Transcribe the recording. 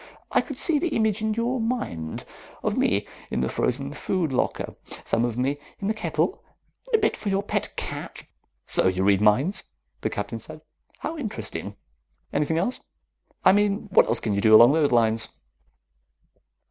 I could see the image in your mind most of me in the frozen food locker, some of me in the kettle, a bit for your pet cat " "So you read minds?" the Captain said. "How interesting. Anything else? I mean, what else can you do along those lines?"